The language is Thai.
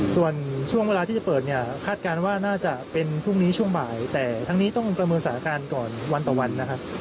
ส่วนช่วงเวลาที่จะเปิดเนี่ยคาดการณ์ว่าน่าจะเป็นพรุ่งนี้ช่วงบ่ายแต่ทั้งนี้ต้องประเมินสถานการณ์ก่อนวันต่อวันนะครับ